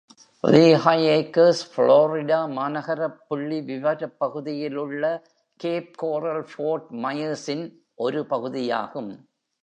Lehigh Acres, Florida மாநகரப் புள்ளிவிவரப் பகுதியில் உள்ள Cape Coral-Fort Myers-இன் ஒரு பகுதியாகும்.